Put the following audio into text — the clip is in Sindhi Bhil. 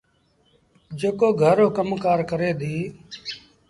جيڪو گھر رو ڪم ڪآر ڪري ديٚ۔